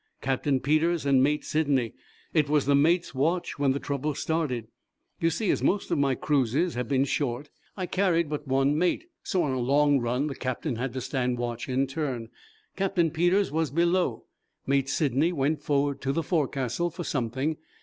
"Captain Peters and Mate Sidney. It was the mate's watch when the trouble started. You see, as most of my cruises have been short, I carried but one mate. So, on a long run, the captain had to stand watch in turn. Captain Peters was below. Mate Sidney went forward, to the forecastle, for something.